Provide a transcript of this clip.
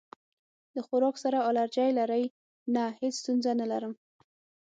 د خوراک سره الرجی لرئ؟ نه، هیڅ ستونزه نه لرم